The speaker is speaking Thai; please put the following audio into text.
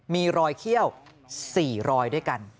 มีรอยเขี้ยว๔รอยด้วยกัน